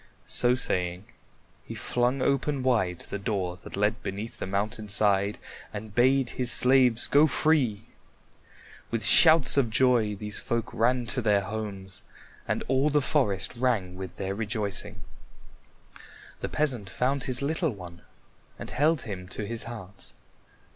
So saying, he flung open wide the door that led beneath the mountain side and bade his slaves go free. With shouts of joy these folk ran to their homes, and all the forest rang with their rejoicing. The peasant found his little one and held him to his heart.